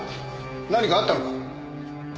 何かあったのか？